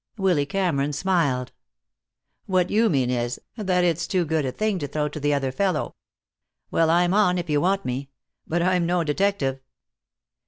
Willy Cameron smiled. "What you mean is, that it's too good a thing to throw to the other fellow. Well, I'm on, if you want me. But I'm no detective."